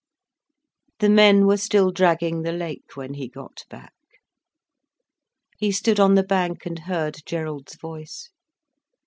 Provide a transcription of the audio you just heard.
The men were still dragging the lake when he got back. He stood on the bank and heard Gerald's voice.